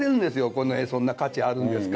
「この絵そんな価値あるんですか？」